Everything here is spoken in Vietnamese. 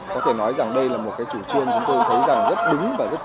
có thể nói rằng đây là một chủ truyền chúng tôi thấy rất đúng và rất tốt